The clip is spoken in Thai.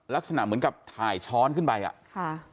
ลักษณะเหมือนกับถ่ายช้อนขึ้นไปอ่ะค่ะ